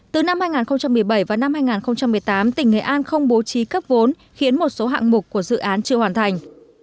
từ năm hai nghìn một mươi bảy và năm hai nghìn một mươi tám tỉnh nghệ an không bố trí cấp vốn khiến một số hạng mục của dự án chưa hoàn thành